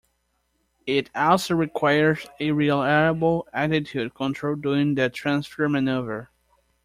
It also requires a reliable attitude control during the transfer maneuver.